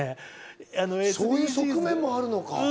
そういう側面もあるのか。